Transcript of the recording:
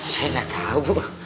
saya gak tau bu